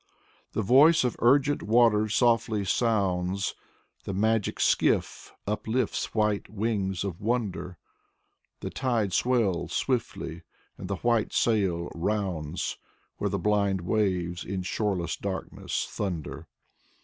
The voice of urgent waters softly sounds; The magic skiff uplifts white wings of wonder. The tide swells swiftly and the white sail rounds, Where the blind waves in shoreless darkness thunder.